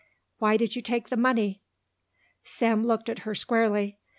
Why did you take the money?" Sam looked at her squarely.